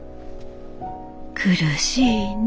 苦しいね。